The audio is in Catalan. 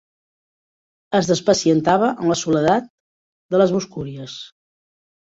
Es despacientava en la soledat de les boscúries.